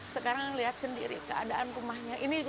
sekarang lihat sendiri keadaan rumahnya